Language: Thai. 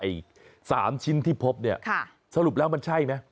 ๓ชิ้นที่พบเนี่ยสรุปแล้วมันใช่ไหม